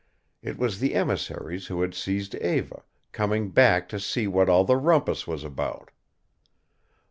It was the emissaries who had seized Eva, coming back to see what all the rumpus was about.